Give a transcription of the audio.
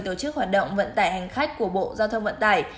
tổ chức hoạt động vận tải hành khách của bộ giao thông vận tải